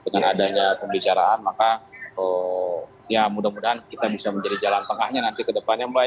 dengan adanya pembicaraan maka ya mudah mudahan kita bisa menjadi jalan tengahnya nanti ke depannya mbak ya